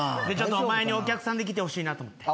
お前にお客さんで来てほしいなと思って。